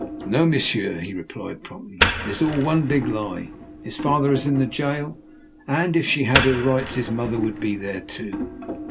"No, monsieur," he replied promptly, "it is all one big lie. His father is in the jail, and, if she had her rights, his mother would be there too."